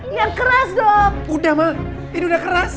uang udah pedamaik ini udah kreasi